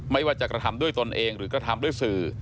ไม่ว่าจะกระทำด้วยตนเองหรือกระทำด้วยสื่อ